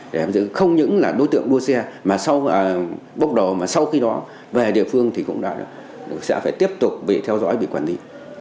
để không những là đối tượng đua xe mà sau khi đó về địa phương thì cũng sẽ phải tiếp tục bị theo dõi bị quản lý